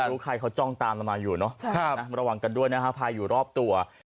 รู้ใครเขาจ้องตามเรามาอยู่เนอะระวังกันด้วยนะฮะพายอยู่รอบตัว